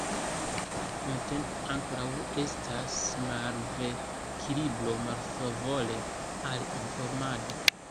Nuntempe ankoraŭ restas malevkilibro malfavore al informado.